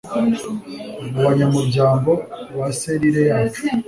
mu banyamuryango ba selire yacu